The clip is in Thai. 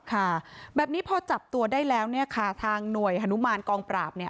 ค่ะแบบนี้พอจับตัวได้แล้วเนี่ยค่ะทางหน่วยฮานุมานกองปราบเนี่ย